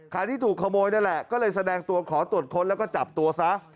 ที่ถูกขโมยนั่นแหละก็เลยแสดงตัวขอตรวจค้นแล้วก็จับตัวซะ